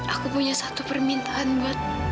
aku punya satu permintaan buat